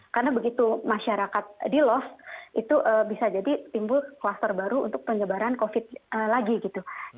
karena begitu masyarakat di lost itu bisa jadi timbul klaster baru untuk penyebaran covid lagi gitu